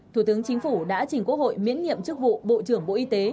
thủ tướng chính phủ đã trình quốc hội miễn nhiệm chức vụ bộ trưởng bộ y tế